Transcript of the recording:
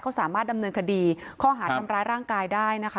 เขาสามารถดำเนินคดีข้อหาทำร้ายร่างกายได้นะคะ